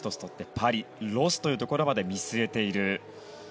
パリ、ロスというところまで見据えている。